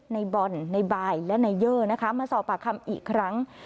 ในบอลในบายและนายเยอร์นะคะมาสอบปากคำอีกครั้ง